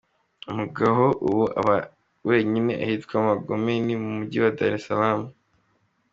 Umugabo ubu aba wenyine ahitwa Magomeni mu Mujyi wa Dar es Salaam.